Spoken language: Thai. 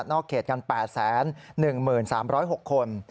นอกเกตกัน๘๑๑๓๐๖คน